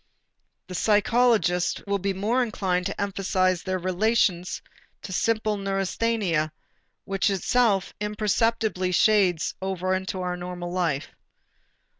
The psychologist will be more inclined to emphasize their relation to simple neurasthenia which itself imperceptibly shades over into our normal life.